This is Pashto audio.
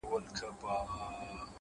ځوان يوه غټه ساه ورکش کړه،